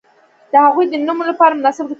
د هغوی د نمو لپاره مناسب رطوبت ته اړتیا ده.